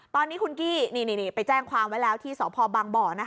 ตอนนี้คุณกี้ไปแจ้งความไว้แล้วที่สพบังบ่อ